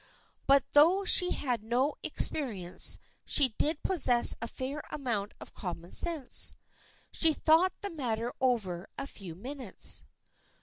But though she had had no experience she did possess a fair amount of common sense. She thought the matter over a few minutes.